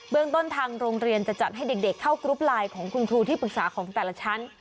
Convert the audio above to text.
เมืองต้นทางโรงเรียนจะจัดให้เด็กเข้ากรุ๊ปไลน์ของคุณครูที่ปรึกษาของแต่ละชั้น